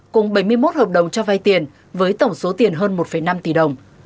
cùng bảy mươi một hợp đồng cho vay tiền với tổng số tiền hơn một năm tỷ đồng